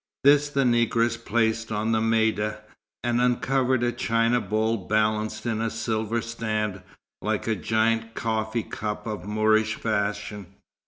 This the negress placed on the maida, and uncovered a china bowl balanced in a silver stand, like a giant coffee cup of Moorish fashion.